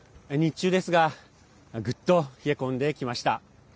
日中ですがぐっと冷え込んできました。